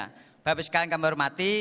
bapak ibu sekalian kami hormati